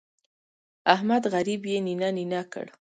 احمد غريب يې نينه نينه کړ.